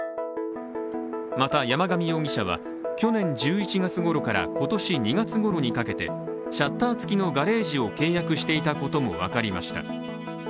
また、山上容疑者は去年１１月ごろから今年２月ごろにかけてシャッター付きのガレージを契約していたことも分かりました。